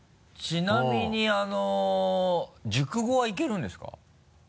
ちなみに熟語はいけるんですか？